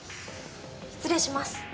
失礼します。